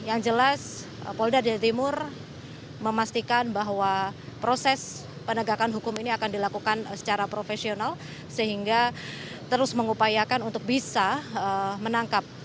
yang jelas polda jawa timur memastikan bahwa proses penegakan hukum ini akan dilakukan secara profesional sehingga terus mengupayakan untuk bisa menangkap